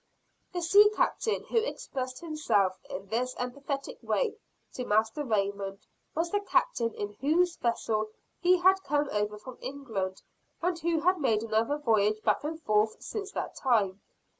The sea captain who expressed himself in this emphatic way to Master Raymond, was the captain in whose vessel he had come over from England, and who had made another voyage back and forth since that time.